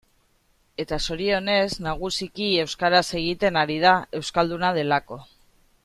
Eta zorionez, nagusiki euskaraz egiten ari da, euskalduna delako.